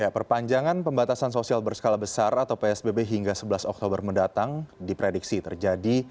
perpanjangan pembatasan sosial berskala besar atau psbb hingga sebelas oktober mendatang diprediksi terjadi